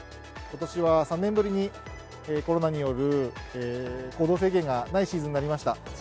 ことしは３年ぶりに、コロナによる行動制限がないシーズンになりました。